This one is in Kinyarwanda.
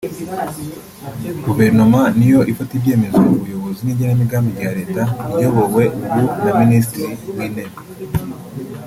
Guverinoma ni yo ifata ibyemezo mu buyobozi n’igenamigambi rya Leta iyobowe ubu na Minisitiri w’intebe